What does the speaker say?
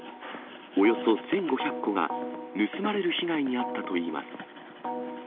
およそ１５００個が盗まれる被害に遭ったといいます。